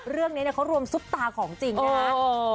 เรื่องนี้เขารวมซุปตาของจริงนะฮะ